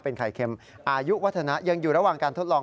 เป็นไข่เค็มอายุวัฒนะยังอยู่ระหว่างการทดลอง